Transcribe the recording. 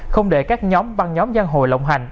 không để các nhóm băng nhóm giang hồ lộng hành